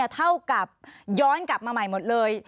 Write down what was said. เท่ากับย้อนกลับมาใหม่หมดเลย